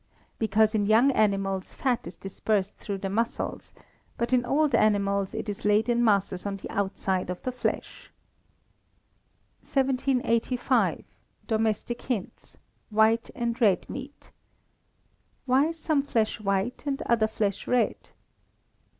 _ Because in young animals fat is dispersed through the muscles, but in old animals it is laid in masses on the outside of the flesh. 1785. Domestic Hints (White and Red Meat). _Why is some flesh white and other flesh red?